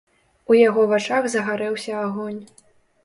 У яго вачах загарэўся агонь.